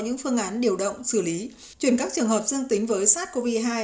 những phương án điều động xử lý chuyển các trường hợp dương tính với sars cov hai